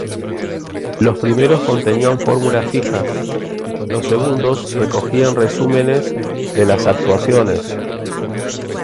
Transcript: Los primeros contenían fórmulas fijas; los segundos recogían resúmenes de las actuaciones.